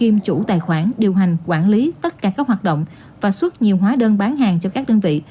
bán điều hành quản lý tất cả các hoạt động và xuất nhiều hóa đơn bán hàng cho các đơn vị